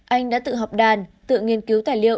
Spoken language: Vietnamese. anh đã tự học đàn tự nghiên cứu tài liệu